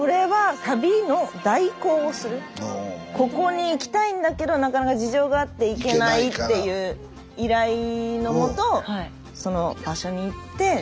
ここに行きたいんだけどなかなか事情があって行けないっていう依頼のもとその場所に行って。